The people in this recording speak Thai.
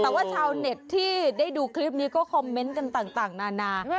แต่ว่าชาวเน็ตที่ได้ดูคลิปนี้ก็คอมเมนต์กันต่างนานา